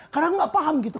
karena aku gak paham gitu